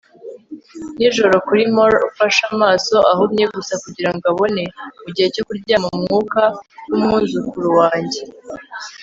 nijoro kuri moor ufashe amaso ahumye gusa kugirango abone.mugihe cyo kuryama, umwuka wumwuzukuru wanjye